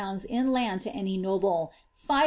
in land to any noble, 5001.